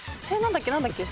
何だっけ？